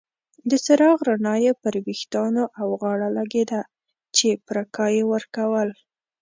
د څراغ رڼا یې پر ویښتانو او غاړه لګیده چې پرکا یې ورکول.